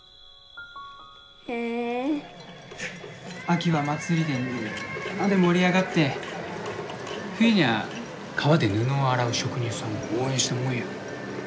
秋は祭りでみんなで盛り上がって冬にゃ川で布を洗う職人さんを応援したもんや。